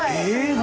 何？